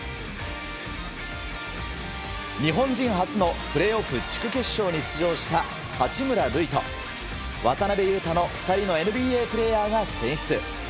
日本人初のプレーオフ地区決勝に出場した八村塁と渡邊雄太の２人のＮＢＡプレーヤーが選出。